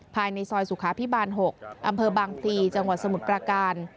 ภายในซอยสุขาพิบาล๖อำเภอบางพลีจังหวัดสมุทรประการ